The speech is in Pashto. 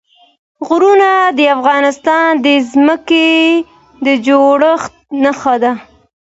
غرونه د افغانستان د ځمکې د جوړښت نښه ده.